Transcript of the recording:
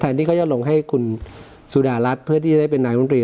ที่เขาจะลงให้คุณสุดารัฐเพื่อที่จะได้เป็นนายมนตรี